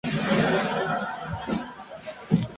Ellos visitaron tres centros greco-católicos.